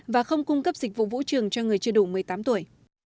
và không cung cấp dịch vụ vũ trường cho người chưa đủ một mươi tám tuổi